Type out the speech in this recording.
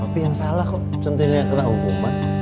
tapi yang salah kok centini yang kena hukuman